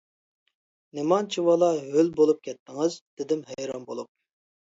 -نېمانچىۋالا ھۆل بولۇپ كەتتىڭىز؟ -دېدىم ھەيران بولۇپ.